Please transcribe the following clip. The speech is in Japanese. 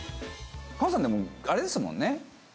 カズさんでもあれですもんね